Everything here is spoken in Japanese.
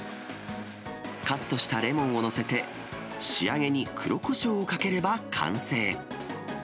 カットしたレモンを載せて、仕上げに黒こしょうをかければ完成。